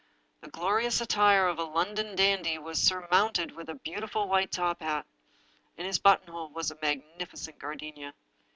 The glorious attire of a London dandy was surmounted with a beautiful white top hat. In his button hole was a magnificent gardenia.